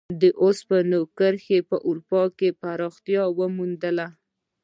د اوسپنې کرښې په اروپا کې پراختیا وموندله.